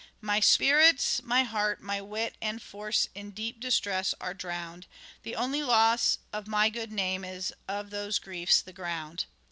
My spirtes, my heart, my wit and force in deep distress are drown 'd, The only loss of my good name is of those griefs the ground.